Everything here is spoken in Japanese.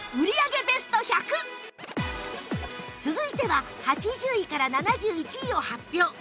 続いては８０位から７１位を発表